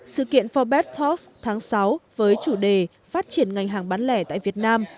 sự kiện for best thoughts tháng sáu với chủ đề phát triển ngành hàng bán lẻ tại việt nam